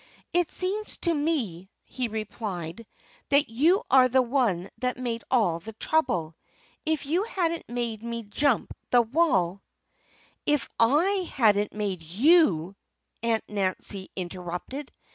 "It seems to me," he replied, "that you are the one that made all the trouble. If you hadn't made me jump the wall " "If I hadn't made you " Aunt Nancy interrupted.